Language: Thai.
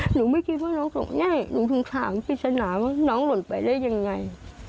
หนูไม่คิดว่าน้องส่งง่ายหนูถึงถามที่สนามว่าน้องหล่นไปได้ยังไง